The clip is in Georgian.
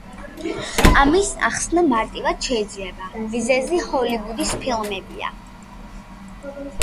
ამის ახსნა მარტივად შეიძლება – მიზეზი ჰოლივუდის ფილმებია.